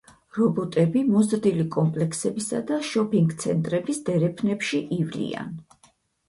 რობოტები მოზრდილი კომპლექსებისა და შოფინგ-ცენტრების დერეფნებში ივლიან.